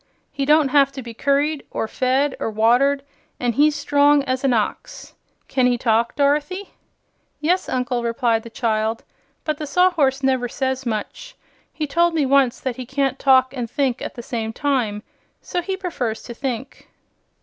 He don't have to be curried, or fed, or watered, an' he's strong as an ox. Can he talk, Dorothy?" "Yes, Uncle," replied the child. "But the Sawhorse never says much. He told me once that he can't talk and think at the same time, so he prefers to think."